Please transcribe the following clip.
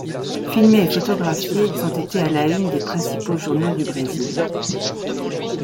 Filmés et photographiés, ils ont été à la une des principaux journaux du Brésil.